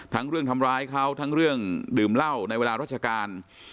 ทั้งเรื่องทำร้ายเขาทั้งเรื่องดื่มเหล้าในเวลาราชการ